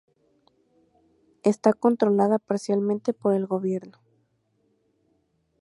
Está controlada parcialmente por el gobierno.